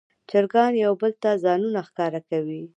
چرګان یو بل ته ځانونه ښکاره کوي.